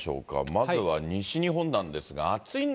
まずは西日本なんです